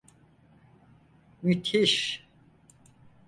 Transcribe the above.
Müthiş.